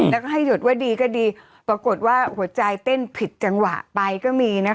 แล้วก็ให้หยุดว่าดีก็ดีปรากฏว่าหัวใจเต้นผิดจังหวะไปก็มีนะคะ